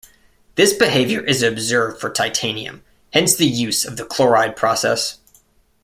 This behavior is observed for titanium, hence the use of the chloride process.